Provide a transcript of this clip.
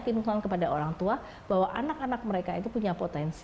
bagaimana meyakinkan kepada orang tua bahwa anak anak mereka itu punya potensi yang lain